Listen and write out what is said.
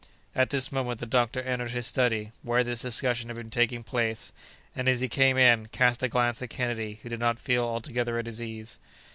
At this moment the doctor entered his study, where this discussion had been taking place; and, as he came in, cast a glance at Kennedy, who did not feel altogether at his ease.